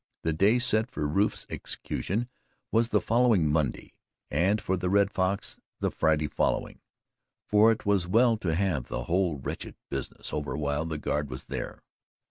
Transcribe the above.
The day set for Rufe's execution was the following Monday, and for the Red Fox the Friday following for it was well to have the whole wretched business over while the guard was there.